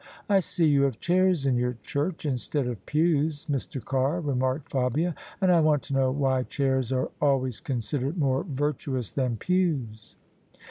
" I see you have chairs in your church instead of pews, Mr. Carr," remarked Fabia: "and I want to know why chairs are always considered more virtuous than pews."